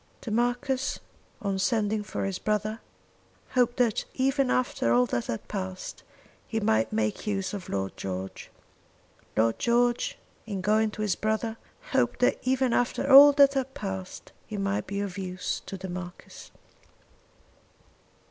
The Marquis in sending for his brother hoped that even after all that had passed, he might make use of Lord George. Lord George in going to his brother, hoped that even after all that had passed he might be of use to the Marquis.